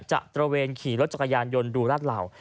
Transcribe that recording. จะตระเวนขี่รถจักรยานยนต์ดูราดราว